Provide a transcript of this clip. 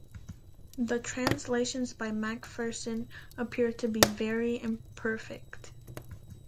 The translations by Macpherson appear to be very imperfect.